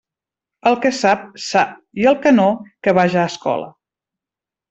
El que sap, sap, i el que no, que vaja a escola.